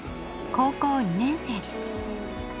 高校２年生。